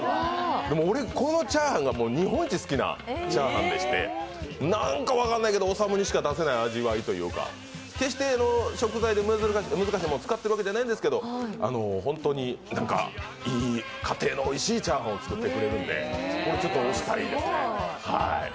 でも、俺、このチャーハンが日本一好きなチャーハンでしてなんか分かんないけどおさむにしか出せない味というか、決して、食材で難しいもの使ってるわけじゃないんですけど、本当にいい家庭の、おいしいチャーハンを作ってくれるのでこれは推したいですね。